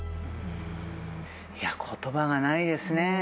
言葉がないですね。